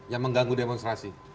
yang mengganggu demonstrasi